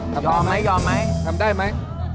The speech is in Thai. ยอมไหมทำได้ไหม